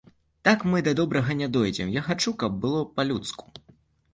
Так мы да добрага не дойдзем, а я хачу, каб было па-людску.